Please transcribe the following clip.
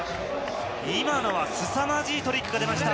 今のは、すさまじいトリックが出ました。